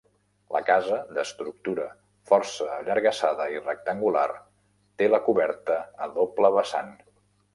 La casa, d'estructura força allargassada i rectangular té la coberta a doble vessant.